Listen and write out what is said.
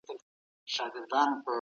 همکاري د بریا کیلي ده.